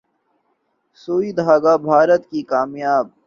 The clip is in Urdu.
’سوئی دھاگہ‘ بھارت کی کامیاب